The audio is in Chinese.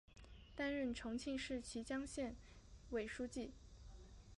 担任重庆市綦江县委书记。